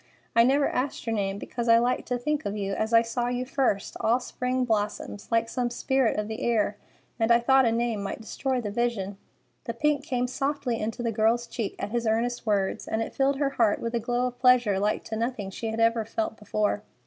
I never asked your name because I liked to think of you as I saw you first, all spring blossoms, like some spirit of the air, and I thought a name might destroy the vision." The pink came softly into the girl's cheek at his earnest words, and it filled her heart with a glow of pleasure like to nothing she had ever felt before.